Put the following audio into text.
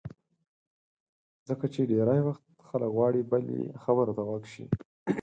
ځکه چې ډېری وخت خلک غواړي بل یې خبرو ته غوږ شي.